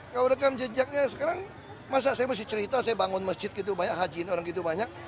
kalau rekam jejaknya sekarang masa saya masih cerita saya bangun masjid gitu banyak hajiin orang gitu banyak